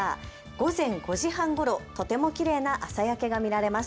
午前５時半ごろ、とてもきれいな朝焼けが見られます。